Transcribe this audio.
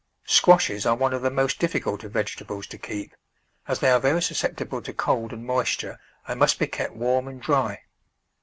Squashes are one of the most difficult of vege tables to keep, as they are very susceptible to cold and moisture and must be kept warm and dry.